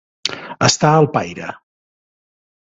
Estar al paire.